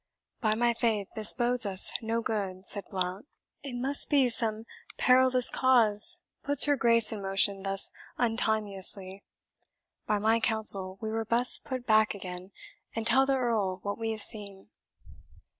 "By my faith, this bodes us no good," said Blount; "it must be some perilous cause puts her Grace in motion thus untimeously, By my counsel, we were best put back again, and tell the Earl what we have seen."